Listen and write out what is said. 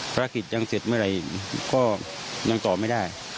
ภารกิจยังเสร็จเมื่อไหร่ก็ยังตอบไม่ได้